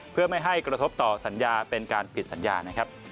เพื่อไม่ให้กระทบต่อสัญญาเป็นการปิดสัญญานะครับ